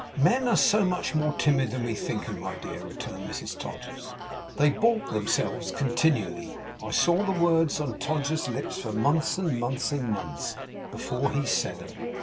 'Men are so much more timid than we think 'em, my dear,' returned Mrs Todgers. 'They baulk themselves continually. I saw the words on Todgers's lips for months and months and months, before he said 'em.